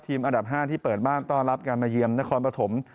อันดับ๕ที่เปิดบ้านต้อนรับการมาเยี่ยมนครปฐม